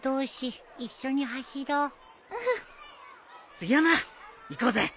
杉山行こうぜ！